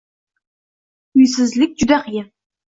Uysizlik juda qiyin.